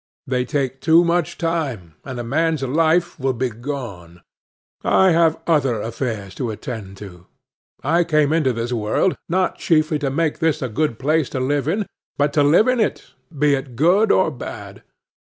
They take too much time, and a man's life will be gone. I have other affairs to attend to. I came into this world, not chiefly to make this a good place to live in, but to live in it, be it good or bad.